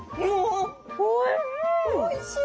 おいしい！